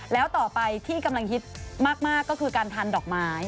แล้วต่อไปที่กำลังฮิตมากก็คือการทานดอกไม้